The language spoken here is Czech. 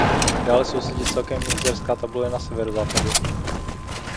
Dále sousedí s celkem Jizerská tabule na severozápadě.